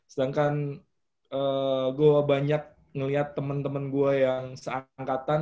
sedangkan gue banyak ngeliat temen temen gue yang seangkatan